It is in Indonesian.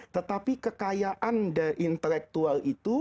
tetapi kekayaan dari intelektual itu